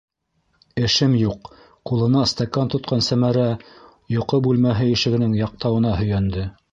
Эшем юҡ, - ҡулына стакан тотҡан Сәмәрә йоҡо бүлмәһе ишегенең яҡтауына һөйәнде.